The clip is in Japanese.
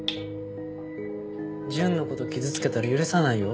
純のこと傷つけたら許さないよ。